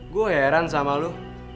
gue heran sama lu